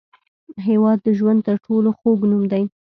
هېواد د ژوند تر ټولو خوږ نوم دی.